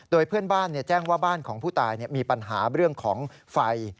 โดยเพื่อนบ้านแจ้งว่าบ้านของผู้ตายมีปัญหาเรื่องของไฟ